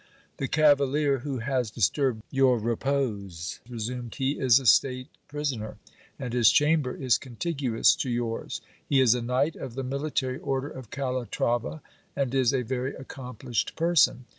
The cavalier who has disturbed your repose, resumed he, is a state prisoner ; and his chamber is contiguous to yours. He is a knight of the mili tary order of Calatrava, and is a very accomplished person.